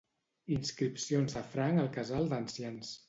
Inscripcions de franc al casal d'ancians.